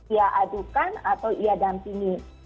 ia adukan atau ia dampingi